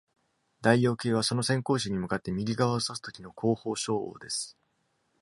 代用形は、その先行詞に向かって右側を指すときの後方照応です。